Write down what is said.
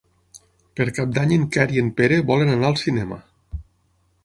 Per Cap d'Any en Quer i en Pere volen anar al cinema.